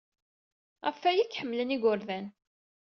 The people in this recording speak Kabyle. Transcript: Ɣef waya ay k-ḥemmlen yigerdan.